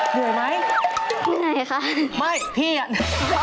พี่ไหนคะไม่พี่น่ะหว่า